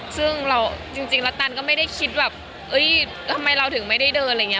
ซึ่งเราจริงแล้วตันก็ไม่ได้คิดแบบทำไมเราถึงไม่ได้เดินอะไรอย่างนี้